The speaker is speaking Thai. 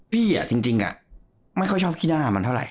พี่อ่ะจริงอ่ะไม่ค่อยชอบคิดหน้ามันเท่าไหร่